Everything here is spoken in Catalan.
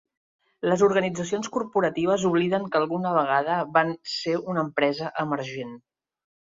Les organitzacions corporatives obliden que alguna vegada van ser una empresa emergent.